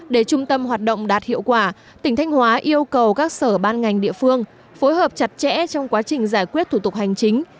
để trung tâm hoạt động đạt hiệu quả tỉnh thanh hóa yêu cầu các sở ban ngành địa phương phối hợp chặt chẽ trong quá trình giải quyết thủ tục hành chính